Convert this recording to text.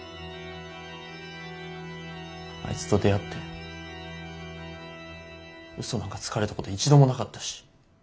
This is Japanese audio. あいつと出会ってウソなんかつかれたこと一度もなかったし。